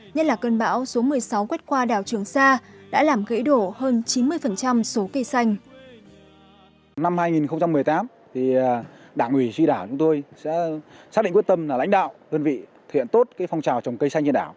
nhất là cơn bão số một mươi sáu quét qua đảo trường sa đã làm gãy đổ hơn chín mươi số cây xanh